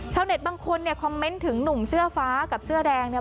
เช่าเน็ตบางคนคอมเมนต์ถึงหนุ่มเสื้อฟ้ากับเสื้อแดงเนี่ย